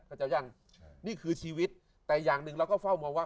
เจ้ายังใช่นี่คือชีวิตแต่อย่างหนึ่งเราก็เฝ้ามองว่า